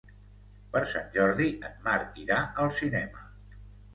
Per Sant Jordi en Marc irà al cinema.